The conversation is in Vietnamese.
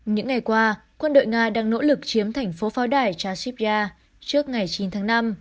những ngày qua quân đội nga đang nỗ lực chiếm thành phố pháo đài chashibya trước ngày chín tháng năm